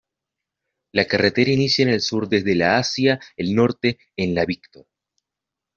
La carretera inicia en el sur desde la hacia el norte en la Victor.